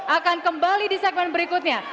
akan kembali di segmen berikutnya